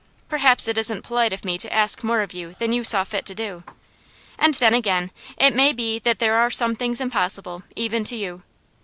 Perhaps it isn't polite of me to ask more of You than You saw fit to do; and then, again, it may be that there are some things impossible, even to You.